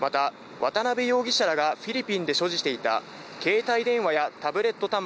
また渡辺容疑者らがフィリピンで所持していた携帯電話やタブレット端末